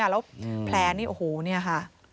แล้วแผลนี่โอ้โหเนี่ยค่ะ